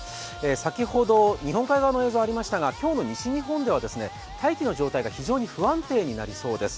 先ほど日本海側の映像がありましたが、今日の西日本では大気の状態が非常に不安定になりそうです。